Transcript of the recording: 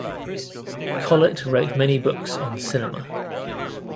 Collet wrote many books on cinema.